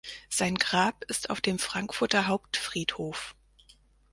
Sein Grab ist auf dem Frankfurter Hauptfriedhof.